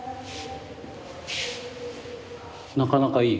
なかなかいい